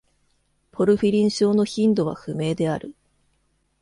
ポルフィリン症の頻度は不明である。